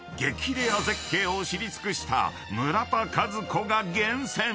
レア絶景を知り尽くした村田和子が厳選］